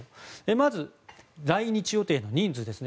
まず、来日予定の人数ですね。